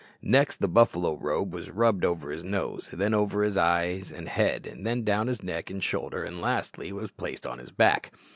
Next, the buffalo robe was rubbed over his nose, then over his eyes and head, then down his neck and shoulder, and lastly was placed on his back.